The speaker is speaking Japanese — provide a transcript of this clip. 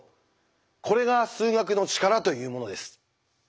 これが数学の力というものです。